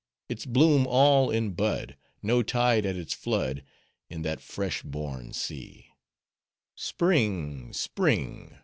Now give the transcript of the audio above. Its bloom all in bud; No tide at its flood, In that fresh born sea! Spring! Spring!